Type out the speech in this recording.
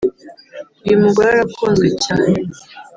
uyu mugore arakunzwe cyane